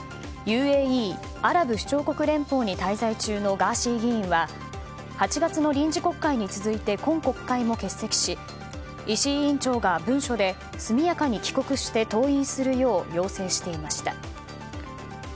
ＵＡＥ・アラブ首長国連邦に滞在中のガーシー議員は８月の臨時国会に続いて今国会も欠席し石井委員長が文書で速やかに帰国して登院するよう要請していました。